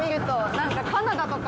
なんかカナダとか。